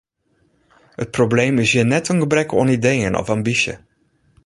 It probleem hjir is net in gebrek oan ideeën of ambysje.